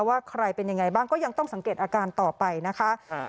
ว่าใครเป็นยังไงบ้างก็ยังต้องสังเกตอาการต่อไปนะคะ